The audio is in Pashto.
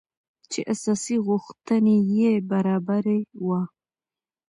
چې اساسي غوښتنې يې برابري وه .